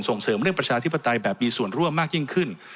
ส่งเสริมเรื่องประชาธิปไตยแบบมีส่วนร่วมมากยิ่งขึ้น